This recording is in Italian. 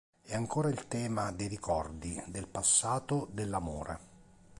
È ancora il tema dei ricordi, del passato, dell'amore.